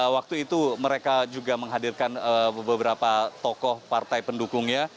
waktu itu mereka juga menghadirkan beberapa tokoh partai pendukungnya